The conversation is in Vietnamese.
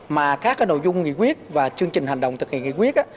mà các nội dung nghị quyết và chương trình hành động thực hiện nghị quyết